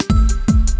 gak ada yang nungguin